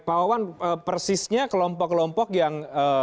pak wawan persisnya kelompok kelompok yang